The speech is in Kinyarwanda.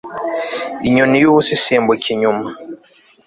Inyoni yubusa isimbuka inyuma